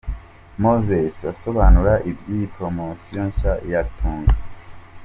Moses asobanura iby'iyi poromosiyo nshya ya Tunga.